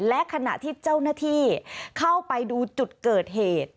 และขณะที่เจ้าหน้าที่เข้าไปดูจุดเกิดเหตุ